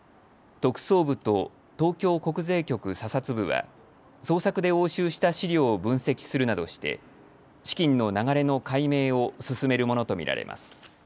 特捜部と東京国税局査察部は捜索で押収した資料を分析するなどして資金の流れの解明を進めるものと見られます。